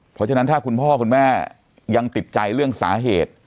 เพราะฉะนั้นถ้าคุณพ่อคุณแม่ยังติดใจเรื่องสาเหตุ